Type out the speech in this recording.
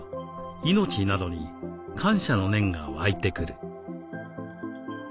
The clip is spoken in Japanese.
命などに感謝の念が湧いてくる。